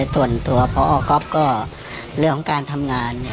ส่วนตัวพอก๊อฟก็เรื่องของการทำงาน